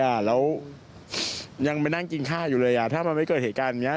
อ่ะแล้วยังไปนั่งกินข้าวอยู่เลยอ่ะถ้ามันไม่เกิดเหตุการณ์อย่างเงี้